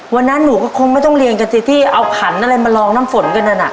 วันนั้นหนูก็คงไม่ต้องเรียนกันสิที่เอาขันอะไรมาลองน้ำฝนกันนั่นน่ะ